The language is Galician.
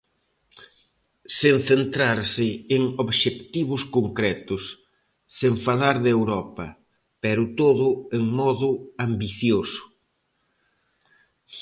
Sen centrarse en obxectivos concretos, sen falar de Europa, pero todo en modo ambicioso.